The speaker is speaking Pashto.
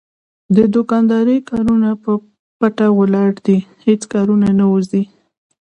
د دوکاندارۍ کارونه په ټپه ولاړ دي هېڅ کارونه نه وځي.